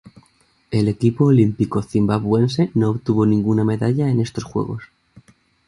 El equipo olímpico zimbabuense no obtuvo ninguna medalla en estos Juegos.